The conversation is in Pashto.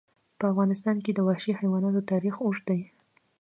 په افغانستان کې د وحشي حیواناتو تاریخ اوږد دی.